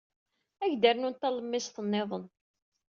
Ad ak-d-rnunt talemmiẓt niḍen.